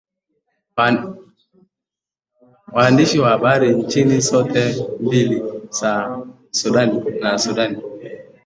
Waandishi wa habari katika nchi zote mbili za Sudan na Sudan Kusini